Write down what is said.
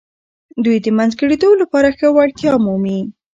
دوی د منځګړیتوب لپاره ښه وړتیا مومي.